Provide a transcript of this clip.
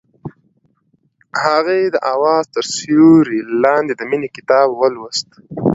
هغې د اواز تر سیوري لاندې د مینې کتاب ولوست.